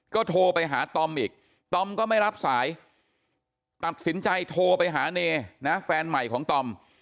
ก็โทรไปหาตอมอีกตอมก็ไม่รับสายตัดสินใจโทรไปหาเนนะแฟนใหม่ของตอม